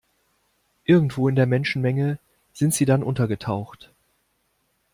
Irgendwo in der Menschenmenge sind sie dann untergetaucht.